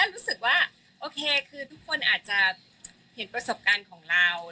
รู้สึกว่าโอเคคือทุกคนอาจจะเห็นประสบการณ์ของเรา